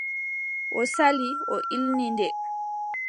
O sali, o illi nde.